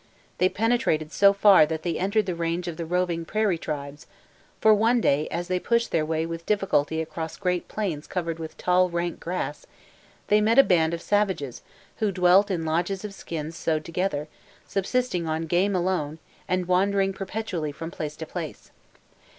They penetrated so far that they entered the range of the roving prairie tribes; for, one day, as they pushed their way with difficulty across great plains covered with tall, rank grass, they met a band of savages who dwelt in lodges of skins sewed together, subsisting on game alone, and wandering perpetually from place to place.